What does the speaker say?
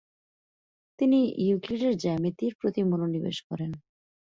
তিনি ইউক্লিডের জ্যামিতির প্রতি মনোনিবেশ করেন।